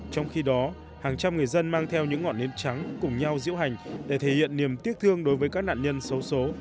trong khi đó hàng trăm người dân mang theo những ngọn nến trắng cùng nhau diễu hành để thể hiện niềm tiếc thương đối với các nạn nhân xấu xố